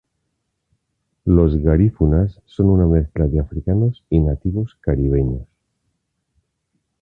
Los garífunas son una mezcla de africanos y nativos caribeños.